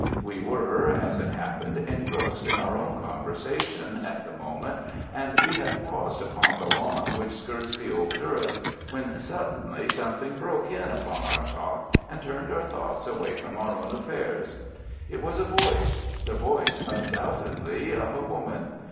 We were, as it happened, engrossed in our own conversation at the moment, and we had paused upon the lawn which skirts the old turret, when suddenly something broke in upon our talk and turned our thoughts away from our own affairs. It was a voice—the voice undoubtedly of a woman.